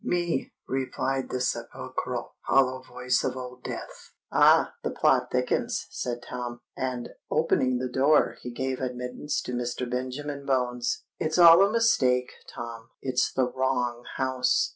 "Me," replied the sepulchral, hollow voice of Old Death. "Ah! the plot thickens," said Tom; and, opening the door, he gave admittance to Mr. Benjamin Bones. "It's all a mistake, Tom—it's the wrong house!"